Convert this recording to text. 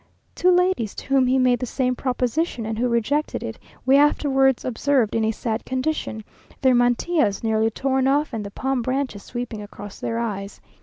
Two ladies, to whom he made the same proposition, and who rejected it, we afterwards observed in a sad condition, their mantillas nearly torn off and the palm branches sweeping across their eyes.